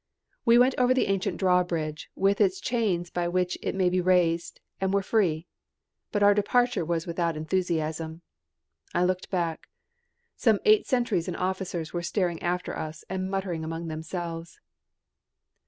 We went over the ancient drawbridge, with its chains by which it may be raised, and were free. But our departure was without enthusiasm. I looked back. Some eight sentries and officers were staring after us and muttering among themselves.